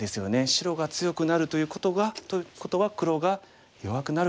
白が強くなるということは黒が弱くなるかもしれません。